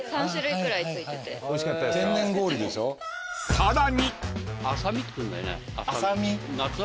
［さらに］